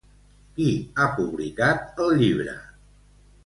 Qui ha publicat el llibre?